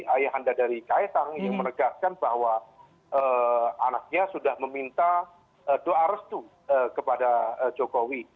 ayahanda dari kaitan yang meregatkan bahwa anaknya sudah meminta doa restu kepada jokowi